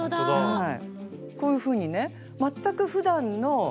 はい。